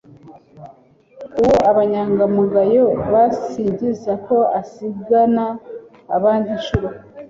Uwo Abangamugayo basingiza ko asigana abandi inshuro